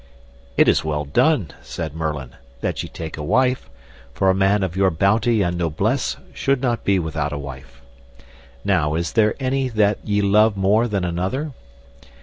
It is well done, said Merlin, that ye take a wife, for a man of your bounty and noblesse should not be without a wife. Now is there any that ye love more than another?